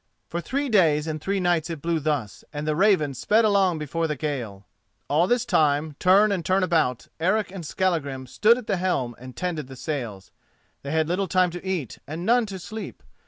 For three days and three nights it blew thus, and the Raven sped along before the gale. All this time, turn and turn about, Eric and Skallagrim stood at the helm and tended the sails. They had little time to eat, and none to sleep.